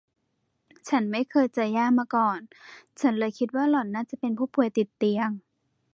ฉันไม่เคยเจอย่ามาก่อน ฉันเลยคิดว่าหล่อนน่าจะเป็นผู้ป่วยติดเตียง